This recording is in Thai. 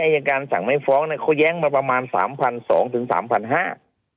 อายการสั่งไม่ฟ้องเนี้ยเขาแย้งมาประมาณสามพันสองถึงสามพันห้า